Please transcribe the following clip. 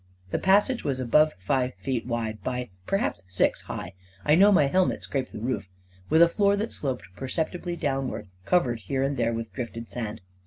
The passage was above five feet wide by perhaps six high — I know my helmet scraped the roof — with a floor that sloped per ceptibly downwards, covered, here and there, with drifted sand.